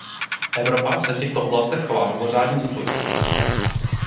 Evropa se v těchto oblastech chová mimořádně zodpovědně.